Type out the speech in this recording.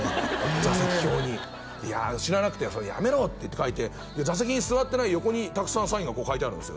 座席表に知らなくて「それやめろ」って言って座席に座ってない横にたくさんサインが書いてあるんすよ